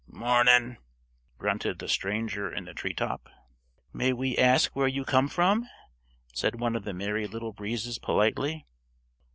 "Mornin'," grunted the stranger in the treetop. "May we ask where you come from?" said one of the Merry Little Breezes politely.